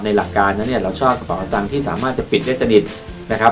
หลักการนั้นเนี่ยเราชอบกระเป๋าตังค์ที่สามารถจะปิดได้สนิทนะครับ